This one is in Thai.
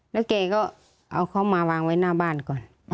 แล้วแกก็เอาเขามาวางไว้หน้าบ้านก่อน